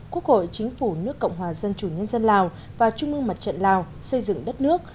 quốc hội chính phủ nước cộng hòa dân chủ nhân dân lào và trung ương mặt trận lào xây dựng đất nước